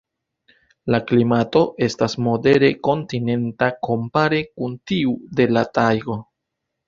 La klimato estas modere kontinenta kompare kun tiu de la tajgo.